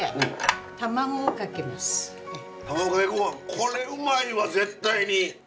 これうまいわ絶対に！